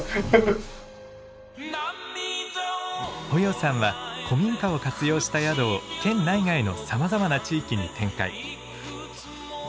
保要さんは古民家を活用した宿を県内外のさまざまな地域に展開。